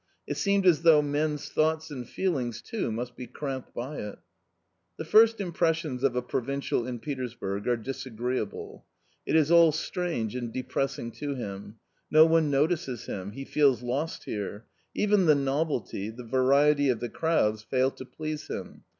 It seemed as ; though men's thoughts and feelings too must be cramped \byit. ^^The first impressions of a provincial in Petersburg are dis agreeable. It is all strange and depressing to him ; no one notices him ; he feels lost here ; even the novelty, the variety of the crowds fail to please him.